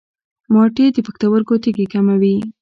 مالټې د پښتورګو تیږې کموي.